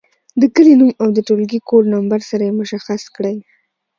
د کلي نوم او د ټولګي کوډ نمبر سره یې مشخص کړئ.